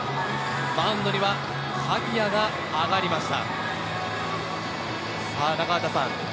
マウンドには鍵谷が上がりました。